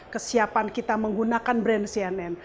kesiapan kita menggunakan brand cnn